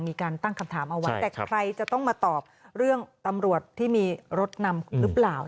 มีการตั้งคำถามเอาไว้แต่ใครจะต้องมาตอบเรื่องตำรวจที่มีรถนำหรือเปล่า